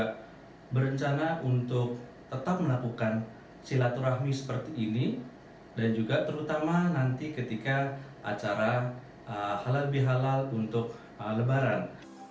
kita berencana untuk tetap melakukan silaturahmi seperti ini dan juga terutama nanti ketika acara halal bihalal untuk lebaran